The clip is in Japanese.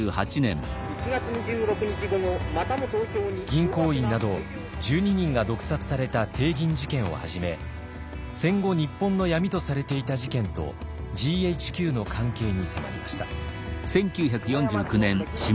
銀行員など１２人が毒殺された帝銀事件をはじめ戦後日本の闇とされていた事件とＧＨＱの関係に迫りました。